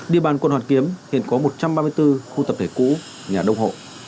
địa bàn quận hoàn kiếm hiện có một trăm ba mươi bốn khu tập thể cũ nhà đông hộ